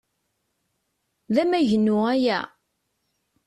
D amagnu aya?